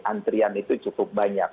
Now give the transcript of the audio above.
antrian itu cukup banyak